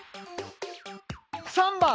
３番！